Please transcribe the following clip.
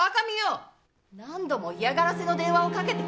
何度も嫌がらせの電話をかけてきたのよ。